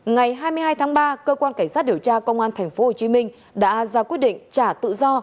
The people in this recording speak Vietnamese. ngày hai mươi hai tháng ba cơ quan cảnh sát điều tra công an tp hcm đã ra quyết định trả tự do